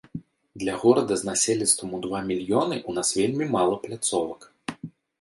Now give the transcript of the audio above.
Для горада з насельніцтвам у два мільёны у нас вельмі мала пляцовак.